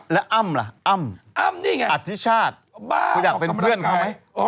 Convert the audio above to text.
แล้วอั้มล่ะอั้มทิชาติคุณอยากเป็นเพื่อนเขาไหม